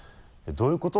どういうこと？